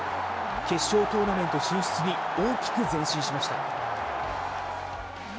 決勝トーナメント進出に大きく前進しました。